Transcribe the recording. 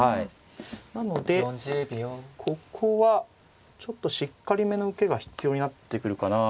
なのでここはちょっとしっかりめの受けが必要になってくるかな。